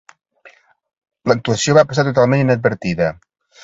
L'actuació va passar totalment inadvertida.